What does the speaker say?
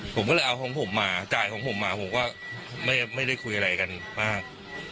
ผมก็เลยเอาของผมมาจ่ายของผมมาผมก็ไม่ได้คุยอะไรกันมาก